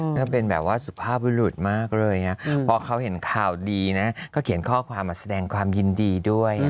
แล้วก็เป็นแบบว่าสุภาพบุรุษมากเลยพอเขาเห็นข่าวดีนะก็เขียนข้อความมาแสดงความยินดีด้วย